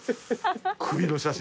首の写真